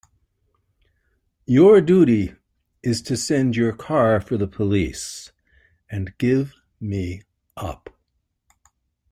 Your duty is to send your car for the police and give me up.